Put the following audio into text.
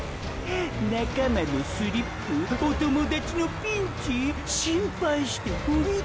仲間のスリップお友達のピンチ？心配してふり返る？